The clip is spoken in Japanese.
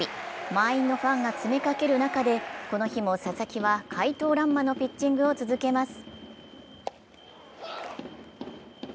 満員のファンが詰めかける中でこの日も佐々木は快刀乱麻のピッチングを続けます。